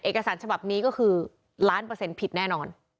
เอกสารฉบับนี้ก็คือล้านเปอร์เซ็นต์ผิดแน่นอน